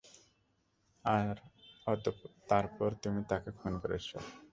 আর তারপর তুমি তাকে খুন করেছো!